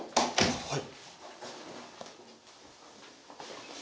はい。